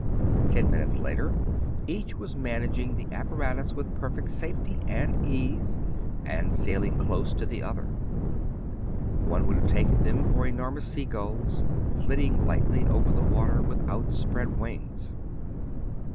Ten minutes later each was managing the ap paratus with perfecj safety and ease, and sailing close to the other. One would have taken them for enormous sea gulls flitting lightly over the water with outspread wings.